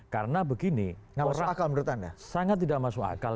karena begini sangat tidak masuk akal